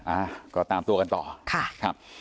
อ่าก็ตามตัวกันต่อค่ะครับ